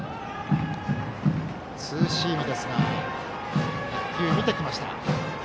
ツーシームですが１球、見てきました。